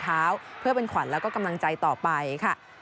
เช่นเป็นนวดรองเท้าเพื่อเป็นขวัญแล้วก็กำลังใจต่อไปค่ะ